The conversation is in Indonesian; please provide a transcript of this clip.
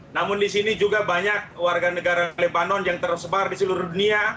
namun di sini juga banyak warga negara lebanon yang tersebar di seluruh dunia